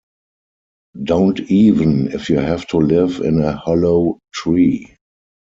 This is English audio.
Don't even if you have to live in a hollow tree!